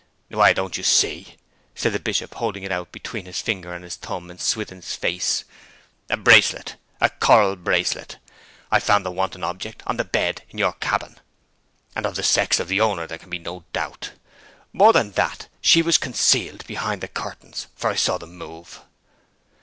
'Why, don't you see?' said the Bishop, holding it out between his finger and thumb in Swithin's face. 'A bracelet, a coral bracelet. I found the wanton object on the bed in your cabin! And of the sex of the owner there can be no doubt. More than that, she was concealed behind the curtains, for I saw them move.'